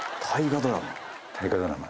大河ドラマ。